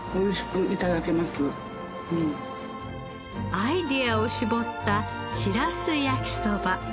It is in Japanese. アイデアを絞ったしらす焼きそば。